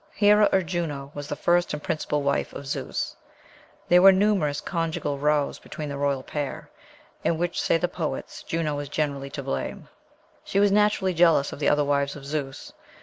Hera, or Juno, was the first and principal wife of Zeus. There were numerous conjugal rows between the royal pair, in which, say the poets, Juno was generally to blame. She was naturally jealous of the other wives of Zeus.